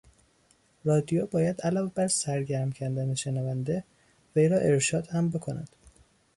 رادیو باید علاوه بر سرگرم کردن شنونده وی را ارشاد هم بکند.